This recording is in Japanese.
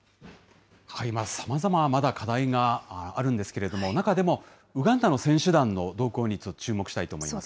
さまざま、まだ課題があるんですけれども、中でもウガンダの選手団の動向に注目したいと思います。